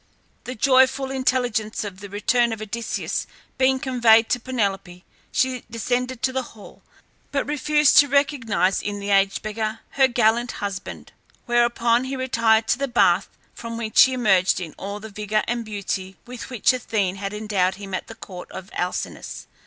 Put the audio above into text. The joyful intelligence of the return of Odysseus being conveyed to Penelope she descended to the hall, but refused to recognize, in the aged beggar, her gallant husband; whereupon he retired to the bath, from which he emerged in all the vigour and beauty with which Athene had endowed him at the court of Alcinous.